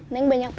neng banyak pr